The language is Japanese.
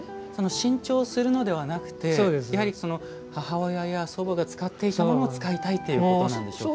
新調するのではなくてやはり母親や祖母が使っていたものを使いたいということなんでしょうか。